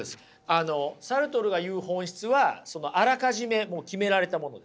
あのサルトルが言う本質はあらかじめ決められたものですよ。